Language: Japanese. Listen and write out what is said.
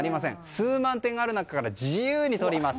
数万店ある中から自由にとります。